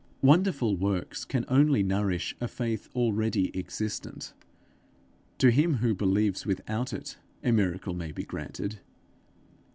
Wonderful works can only nourish a faith already existent; to him who believes without it, a miracle may be granted.